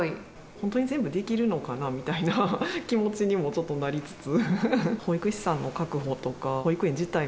本当に全部できるのかなみたいな気持ちにも、ちょっとなりつつ。